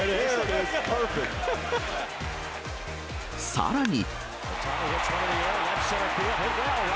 さらに。